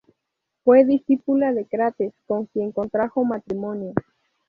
Fue discípula de Crates, con quien contrajo matrimonio.